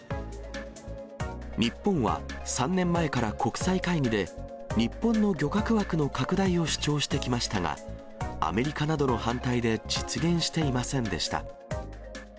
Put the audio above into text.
日本は３年前から国際会議で、日本の漁獲枠の拡大を主張してきましたが、アメリカなどの反対で実現していませんでした。